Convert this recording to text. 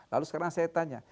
lalu sekarang saya tanya